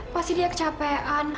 pasti dia kecapean